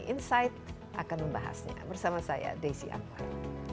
insight akan membahasnya bersama saya desi anwar